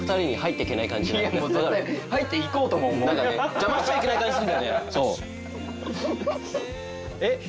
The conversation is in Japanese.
邪魔しちゃいけない感じする。